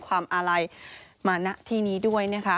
ความอาลัยมาณที่นี้ด้วยนะคะ